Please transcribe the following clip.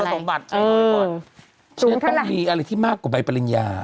ตรงเท่าไหร่ฉันต้องมีอะไรที่มากกว่าใบปริญญา